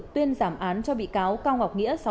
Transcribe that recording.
tuyên giảm án cho bị cáo cao ngọc nghĩa